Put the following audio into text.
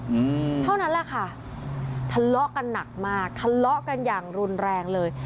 อืมเท่านั้นแหละค่ะทะเลาะกันหนักมากทะเลาะกันอย่างรุนแรงเลย